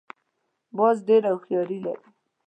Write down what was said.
باز ډېره هوښیاري لري